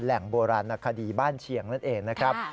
โบราณนักคดีบ้านเชียงนั่นเองนะครับ